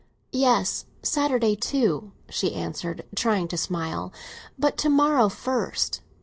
"Yes, Saturday too," she answered, trying to smile. "But to morrow first."